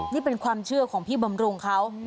นี่เป็นความเชื่อของพี่บำรุงเขา